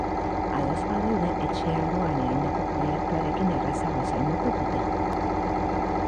Ados badaude etxe alboan egindako proiektuarekin errazago zainduko dute.